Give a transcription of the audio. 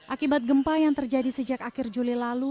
akibat gempa yang terjadi sejak akhir juli lalu